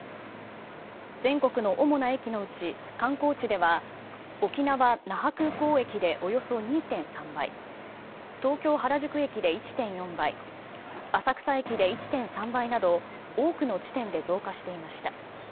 全国の主な駅のうち、観光地では、沖縄・那覇空港駅でおよそ２．３倍、東京・原宿駅で１．４倍、浅草駅で１．３倍など、多くの地点で増加していました。